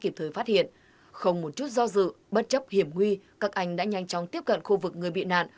kịp thời phát hiện không một chút do dự bất chấp hiểm nguy các anh đã nhanh chóng tiếp cận khu vực người bị nạn